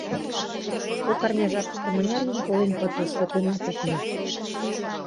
Кок арня жапыште мыняр еҥ колен пытыш, шотленат от му.